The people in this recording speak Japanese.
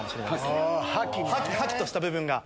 ハキハキとした部分が。